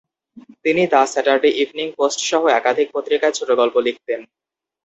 তিনি the Saturday Evening পোস্ট-সহ একাধিক পত্রিকায় ছোটগল্প লিখতেন।